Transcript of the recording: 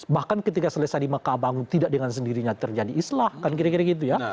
bahkan ketika selesai di mekah bangun tidak dengan sendirinya terjadi islah kan kira kira gitu ya